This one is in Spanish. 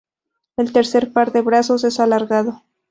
El tercer par de brazos es alargado.